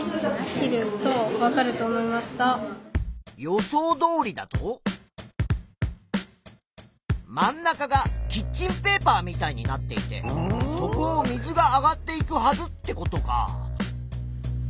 予想どおりだと真ん中がキッチンペーパーみたいになっていてそこを水が上がっていくはずってことか。